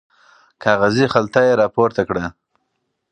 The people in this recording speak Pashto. کاغذي خلطه یې راپورته کړه.